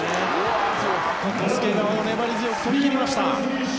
ここ、介川が粘り強く取り切りました。